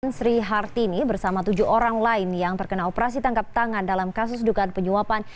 sri hartini bersama tujuh orang lain yang terkena operasi tangkap tangan dalam kasus dukaan penyuapan